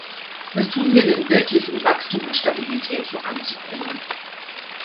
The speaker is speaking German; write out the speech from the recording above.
Was tun wir denn wirklich, um Wachstum und Stabilität voranzubringen?